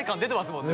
もんね